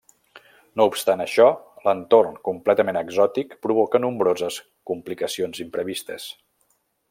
No obstant això, l'entorn completament exòtic provoca nombroses complicacions imprevistes.